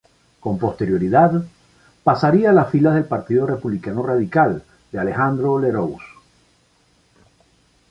Con posterioridad pasaría a las filas del Partido Republicano Radical de Alejandro Lerroux.